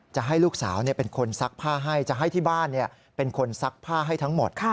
จะให้ลูกสาวเป็นคนซักผ้าให้จะให้ที่บ้านเป็นคนซักผ้าให้ทั้งหมด